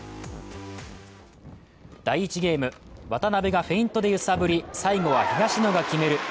第１ゲーム、渡辺がフェイントで揺さぶり、最後は東野が決める。